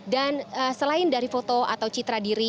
dan selain dari foto atau citra diri